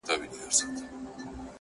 دغخ دی لوی رقيب چي نن نور له نرتوبه وځي